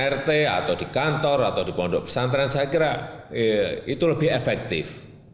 rt atau di kantor atau di pondok pesantren saya kira itu lebih efektif